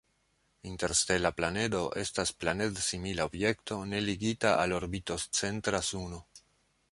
Interstela planedo estas planed-simila objekto ne ligita al orbito-centra suno.